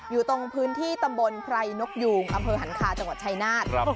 อยู่ตรงพื้นที่ตำบลไพรนกยูงอำเภอหันคาจังหวัดชายนาฏ